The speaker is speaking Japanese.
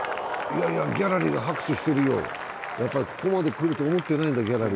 ギャラリーが拍手してるよ、ここまで来ると思ってなかったんだ。